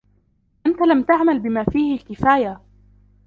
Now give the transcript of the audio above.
أنت لم تعمل بما فيه الكفاية.